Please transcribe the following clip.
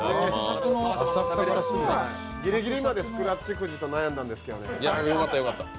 ぎりぎりまでスクラッチくじと悩んだんですけど。